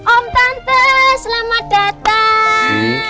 om tante selamat datang